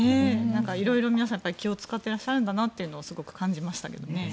いろいろ皆さん気を使っていらっしゃるんだなと感じましたね。